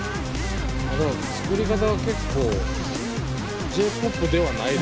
作り方は結構Ｊ−ＰＯＰではないですね。